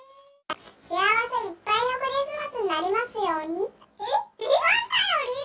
幸せいっぱいのクリスマスになりますように。